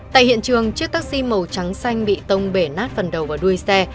tại hiện trường chiếc taxi màu trắng xanh bị tông bể nát phần đầu vào đuôi xe